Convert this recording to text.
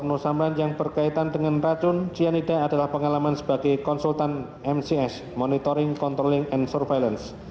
nusamban yang berkaitan dengan racun cyanida adalah pengalaman sebagai konsultan mcs monitoring controlling and surveillance